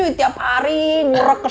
lalu memang karena data mereka rpm